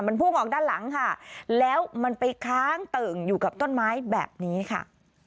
มันพุ่งออกด้านหลังค่ะแล้วมันไปค้างเติ่งอยู่กับต้นไม้แบบนี้ค่ะ